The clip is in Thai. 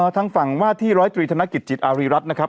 ทางฝั่งว่าที่๑๐๓ธนกิจจิตอารีรัฐ